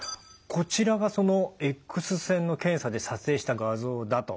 こちらがそのエックス線の検査で撮影した画像だと。